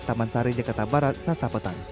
taman sari jakarta barat sasapetan